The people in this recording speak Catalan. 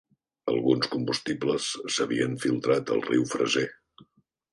Alguns combustibles s'havien filtrat al riu Fraser.